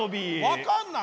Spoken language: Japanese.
分かんない？